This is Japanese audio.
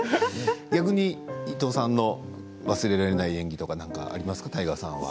逆に伊藤さんの忘れられない演技とかありますか、太賀さんは。